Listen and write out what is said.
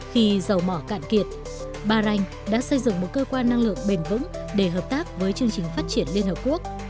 hầu mỏ cạn kiệt ba ranh đã xây dựng một cơ quan năng lượng bền vững để hợp tác với chương trình phát triển liên hợp quốc